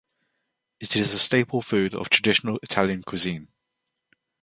It is a staple food of traditional Italian cuisine.